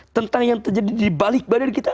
tentang yang terjadi di balik badan kita